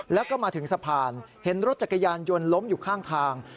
แล้วก็มาถึงสะพานเห็นรถจักรยานยนต์ล้มอยู่ข้างทาง